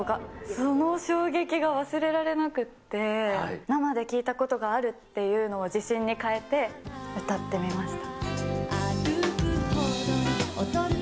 その衝撃が忘れられなくなって、生で聴いたことがあるっていうのを自信に変えて歌ってみました。